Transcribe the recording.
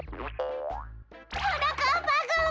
はなかっぱくん！